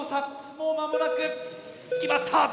もうまもなく決まった！